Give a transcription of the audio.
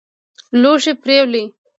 لوښي پرېولي.